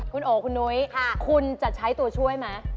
คุณโอ๋คุณนุ้ยคุณจะใช้ตัวช่วยไหม